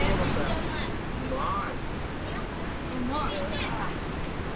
うまい。